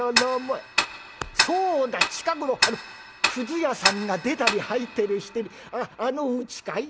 そうだ近頃屑屋さんが出たり入ったりしてるあのうちかい？